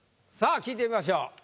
さあ聞いてみましょう。